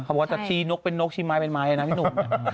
บอกว่าจะชี้นกเป็นนกชีไม้เป็นไม้นะพี่หนุ่ม